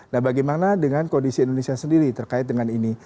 nah bagaimana dengan kondisi indonesia sendiri terkait dengan ini